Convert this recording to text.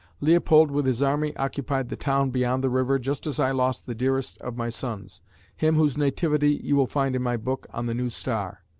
Leopold with his army occupied the town beyond the river just as I lost the dearest of my sons, him whose nativity you will find in my book on the new star.